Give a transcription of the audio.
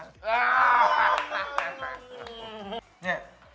เนี่ย